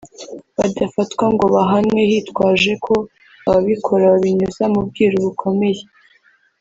badafatwa ngo bahanwe hitwajwe ko ababikora babinyuza mu bwiru bukomeye